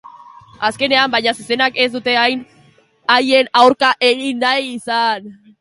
Azkenean, baina, zezenek ez dute haien aurka egin nahi izan.